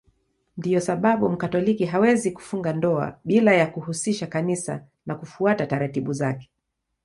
Ndiyo sababu Mkatoliki hawezi kufunga ndoa bila ya kuhusisha Kanisa na kufuata taratibu zake.